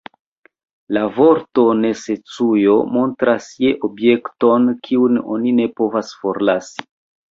La vorto _necesujo_ montras ja objekton, kiun oni ne povas forlasi.